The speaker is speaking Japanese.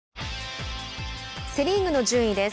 セ・リーグの順位です。